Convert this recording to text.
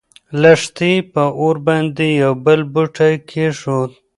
لښتې په اور باندې يو بل بوټی کېښود.